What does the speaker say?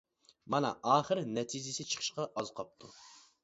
مانا ئاخىرى نەتىجىسى چىقىشقا ئاز قاپتۇ.